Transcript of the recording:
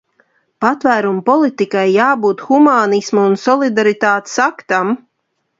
Patvēruma politikai jābūt humānisma un solidaritātes aktam.